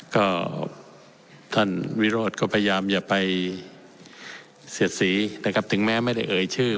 ก็ท่านวิโรธก็พยายามอย่าไปเสียดสีนะครับถึงแม้ไม่ได้เอ่ยชื่อ